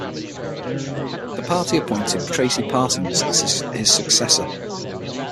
The party appointed Tracy Parsons as his successor.